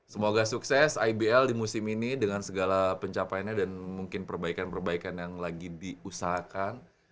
semoga sukses ibl di musim ini dengan segala pencapaiannya dan mungkin perbaikan perbaikan yang lagi diusahakan